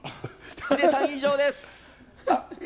ヒデさん、以上です。